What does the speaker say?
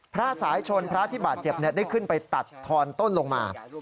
พระสายชนพระที่บาดเจ็บได้ขึ้นไปตัดทอนต้นลงมา